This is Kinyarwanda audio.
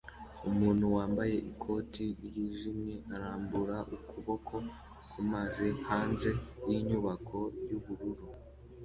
Umuntu wambaye ikoti ryijimye arambura ukuboko kumazi hanze yinyubako yubururu